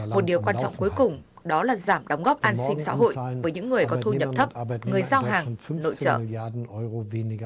một điều quan trọng cuối cùng đó là giảm đóng góp an sinh xã hội với những người có thu nhập thấp người giao hàng nội trợ